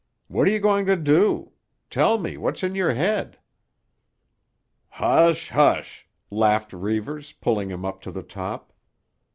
"What are you going to do? Tell me what's in your head?" "Hush, hush!" laughed Reivers, pulling him up to the top.